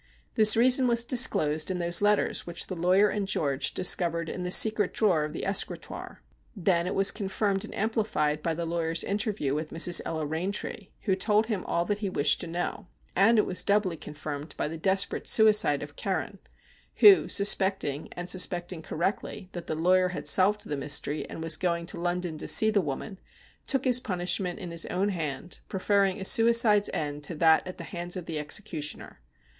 This reason was disclosed in those letters which the lawyer and George discovered in the secret drawer of the escritoire. Then it was confirmed and amplified by the lawyer's interview with Mrs. Ella Eaintree, wbo told him all that he wished to know ; and it was doubly confirmed by the desperate suicide of Carron, who, suspecting •— and suspecting correctly — that the lawyer had solved the mystery, and was going to London to see the woman, took his punishment in his own hand, preferring a suicide's end to that at the hands of the executioner.